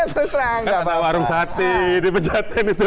terus rangka pak warung sati di pejabat itu